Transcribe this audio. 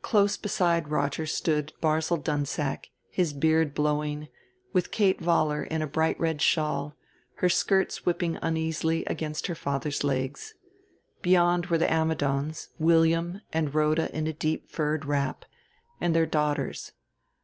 Close beside Roger stood Barzil Dunsack, his beard blowing, with Kate Vollar in a bright red shawl, her skirts whipping uneasily against her father's legs. Beyond were the Ammidons William, and Rhoda in a deep furred wrap, and their daughters.